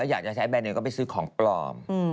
อยากจะใช้แบรนเนลก็ไปซื้อของปลอม